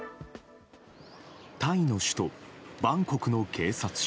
タイの首都バンコクの警察署。